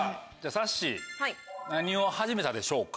さっしー何を始めたでしょうか？